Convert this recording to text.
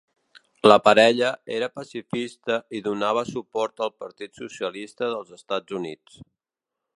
La parella era pacifista i donava suport al Partit Socialista dels Estats Units.